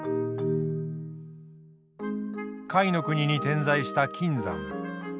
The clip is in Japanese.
甲斐国に点在した金山。